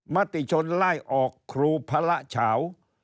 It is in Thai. มติชนไล่ออกครูพระเฉา